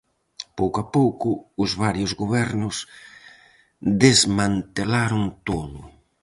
Pouco a pouco os varios gobernos desmantelaron todo.